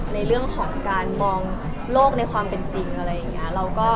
ในเรื่องของการมองโลกในความเป็นจริงอะไรอย่างนี้